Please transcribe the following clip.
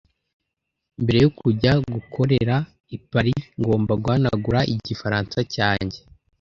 Mbere yo kujya gukorera i Paris, ngomba guhanagura igifaransa cyanjye.